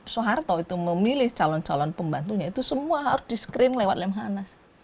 soeharto itu memilih calon calon pembantunya itu semua harus di screen lewat lemhanas